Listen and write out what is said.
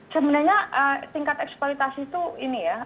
sebenarnya tingkat eksploitasi itu ini ya